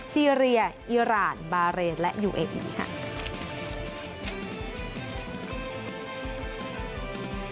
ซีเรียอีรานบาเรนและยูเอมีค่ะ